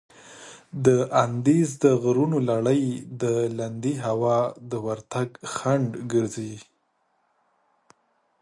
د اندیز د غرونو لړي د لندې هوا د ورتګ خنډ ګرځي.